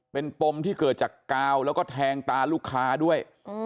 เป็นปมที่เกิดจากกาวแล้วก็แทงตาลูกค้าด้วย